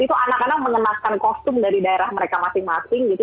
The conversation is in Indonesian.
itu anak anak mengenaskan kostum dari daerah mereka masing masing gitu